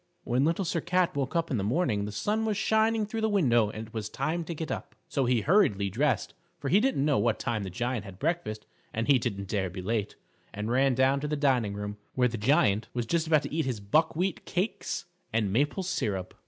When Little Sir Cat woke up in the morning the sun was shining through the window and it was time to get up. So he hurriedly dressed, for he didn't know what time the Giant had breakfast and he didn't dare be late, and ran down to the dining room, where the Giant was just about to eat his buckwheat cakes and maple syrup.